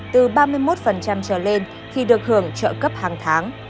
từ ba mươi một trở lên thì được hưởng trợ cấp hàng tháng